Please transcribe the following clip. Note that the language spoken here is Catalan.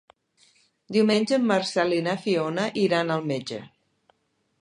Diumenge en Marcel i na Fiona iran al metge.